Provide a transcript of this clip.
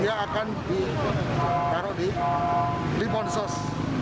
itu dia akan dikaro di limon sos